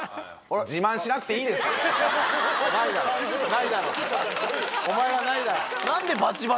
「ないだろお前はない」